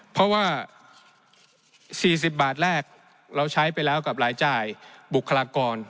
เพราะว่า๔๐บาทแรกเราใช้ไปแล้วกับรายจ่ายบุคลากร